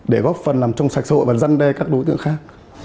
để góp phần làm trong sạch xã hội và răn đe các đối tượng khác